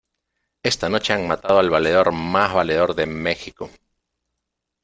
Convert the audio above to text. ¡ esta noche han matado al valedor más valedor de México!